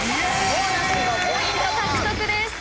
ボーナス５ポイント獲得です。